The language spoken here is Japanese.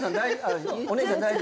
お姉さん大丈夫。